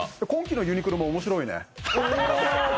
今季のユニクロも面白いね。